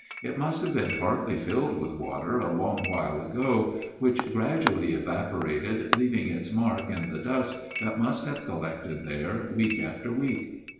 It must have been partly filled with water a long while ago, which gradually evaporated, leaving its mark in the dust that must have collected there week after week.